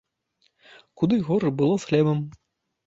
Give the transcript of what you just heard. Куды горш было з хлебам.